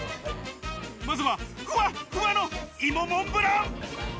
まずは、ふわっふわの芋モンブラン。